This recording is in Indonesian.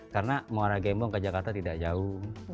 karena muara gembong ke jakarta tidak jauh